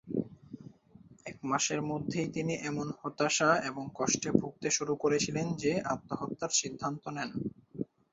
এক মাসের মধ্যেই তিনি এমন হতাশা এবং কষ্টে ভুগতে শুরু করেছিলেন যে আত্মহত্যার সিদ্ধান্ত নেন।